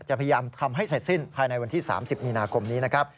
พยายามทำให้เสร็จสิ้นภายในวันที่๓๐มีนาคมนี้นะครับ